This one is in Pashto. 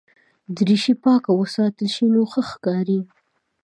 دریشي پاکه وساتل شي نو ښه ښکاري.